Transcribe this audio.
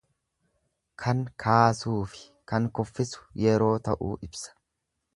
Kan kaasuufi kan kuffisu yeroo ta'uu ibsa.